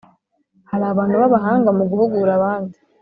Hari abantu b’abahanga mu guhugura abandi,